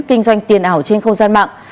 kinh doanh tiền ảo trên không gian mạng